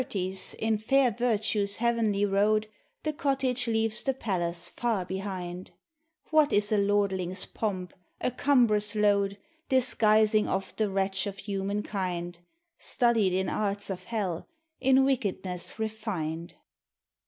Digitized by Ooogle THE HOME 307 And certes, in fair Virtue's heavenly road, The cottage leaves the palace far behind : What is a lordliug's pomp? — a cumbrous load, Disguising oft the wretch of humankind, Studied in arts of hell, in wickedness refined!